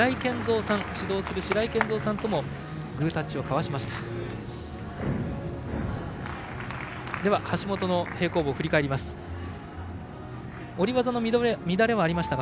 指導する白井健三さんとグータッチを交わしました。